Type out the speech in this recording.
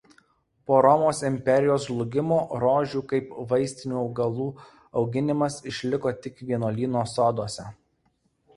Po Romos imperijos žlugimo rožių kaip vaistinių augalų auginimas išliko tik vienuolynų soduose.